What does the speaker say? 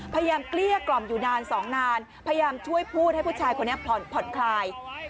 เกลี้ยกล่อมอยู่นานสองนานพยายามช่วยพูดให้ผู้ชายคนนี้ผ่อนคลาย